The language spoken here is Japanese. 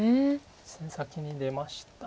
先に出ました。